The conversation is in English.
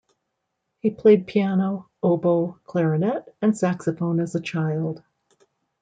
He played piano, oboe, clarinet, and saxophone as a child.